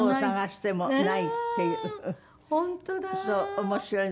面白いの。